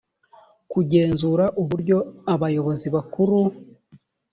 kugenzura uburyo abayobozi bakuru